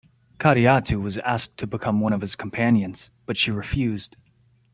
Kadiatu was asked to become one of his companions, but she refused.